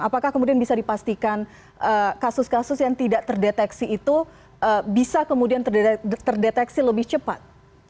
apakah kemudian bisa dipastikan kasus kasus yang tidak terdeteksi itu bisa kemudian terdeteksi lebih cepat